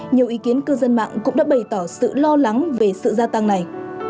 nhiều ý kiến cư dân mạng cũng đã bày tỏ sự lo lắng về sự gia tăng này